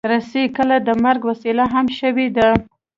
رسۍ کله د مرګ وسیله هم شوې ده.